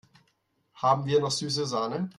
Haben wir noch süße Sahne?